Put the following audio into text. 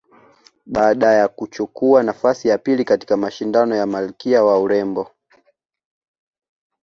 Baada ya kuchukua nafasi ya pili katika mashindano ya malkia wa urembo